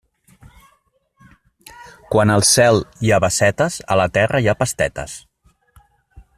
Quan al cel hi ha bassetes, a la terra hi ha pastetes.